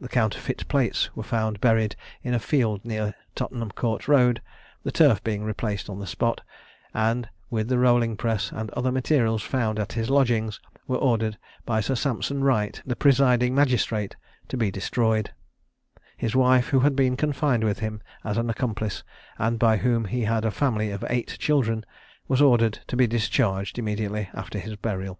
The counterfeit plates were found buried in a field near Tottenham court Road, the turf being replaced on the spot, and, with the rolling press, and other materials found at his lodgings, were ordered by Sir Sampson Wright, the presiding magistrate, to be destroyed. His wife, who had been confined with him as an accomplice, and by whom he had a family of eight children, was ordered to be discharged immediately after his burial.